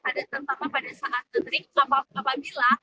ada terserah pada saat nanti apabila